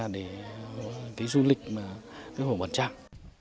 để du lịch hồ bản trang